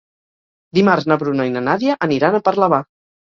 Dimarts na Bruna i na Nàdia aniran a Parlavà.